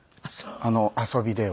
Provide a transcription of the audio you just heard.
遊びでは。